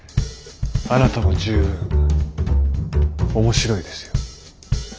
あなたも十分面白いですよ。